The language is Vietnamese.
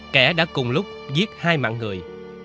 kẻ đã cùng lúc giết hai mạng người